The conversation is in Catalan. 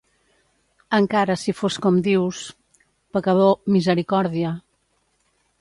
Encara si fos com dius... pecador, misericòrdia!